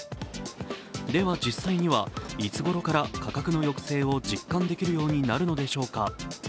では、実際にはいつごろから、価格の抑制を実感できるようになるのでしょうか。